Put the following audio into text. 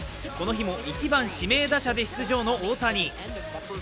この日も１番・指名打者で出場の大谷。